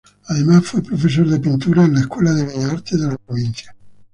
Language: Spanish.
Además fue profesor de pintura en la Escuela de Bellas Artes de la provincia.